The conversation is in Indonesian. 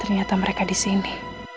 ternyata mereka disini